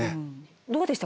どうでした？